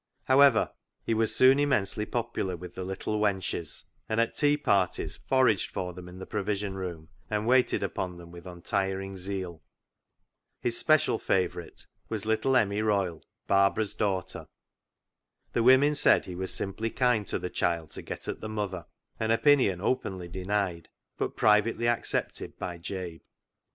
However, he was soon immensely popular with the " little wenches," and at tea parties foraged for them in the provision room, and waited upon them with untiring zeal. His special favourite was little Emmie Royle, Barbara's daughter. The women said he was simply kind to the child to get at the mother — an opinion openly denied, but privately accepted by Jabe.